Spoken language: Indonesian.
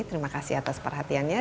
terima kasih atas perhatiannya